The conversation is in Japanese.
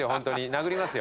殴りますよ。